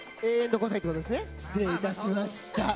失礼いたしました。